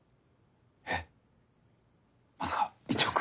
えっまさか１億？